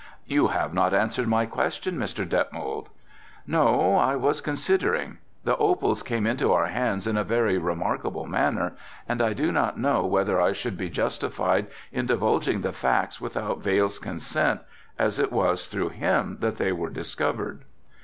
"You have not answered my question Mr. Detmold." "No, I was considering; the opals came into our hands in a very remarkable manner and I do not know whether I should be justified in divulging the facts without Vail's consent, as it was through him that they were discovered."